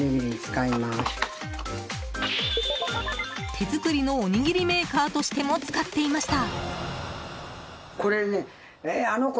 手作りのおにぎりメーカーとしても使っていました。